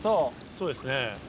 そうですね。